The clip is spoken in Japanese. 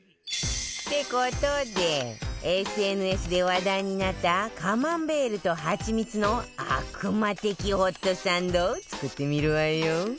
って事で ＳＮＳ で話題になったカマンベールとハチミツの悪魔的ホットサンドを作ってみるわよ